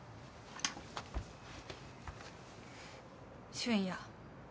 俊也。